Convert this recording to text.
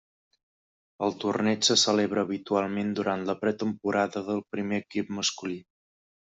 El torneig se celebra habitualment durant la pretemporada del primer equip masculí.